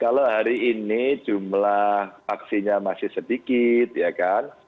kalau hari ini jumlah vaksinnya masih sedikit ya kan